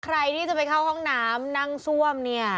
ใครที่จะไปเข้าห้องน้ำนั่งซ่วมเนี่ย